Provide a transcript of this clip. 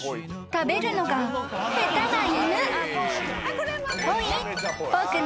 ［食べるのが下手な犬］